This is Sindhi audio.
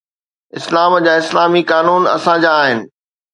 اسلام جا اسلامي قانون اسان جا آهن.